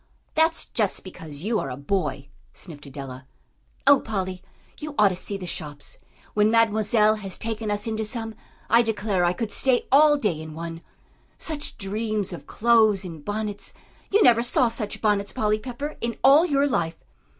"That's just because you are a boy," sniffed Adela. "Oh, Polly, you ought to see the shops! When Mademoiselle has taken us into some, I declare I could stay all day in one. Such dreams of clothes and bonnets! You never saw such bonnets, Polly Pepper, in all your life!"